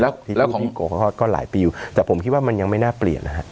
แล้วของโกะก็หลายปีอยู่แต่ผมคิดว่ามันยังไม่น่าเปลี่ยนนะฮะ